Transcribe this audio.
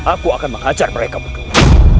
aku akan menghajar mereka betul